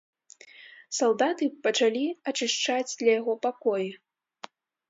Салдаты пачалі ачышчаць для яго пакоі.